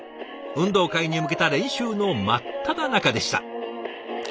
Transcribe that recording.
運動会に向けた練習の真っただ中でした。